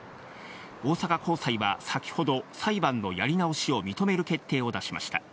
大阪高裁は先ほど、裁判のやり直しを認める決定を出しました。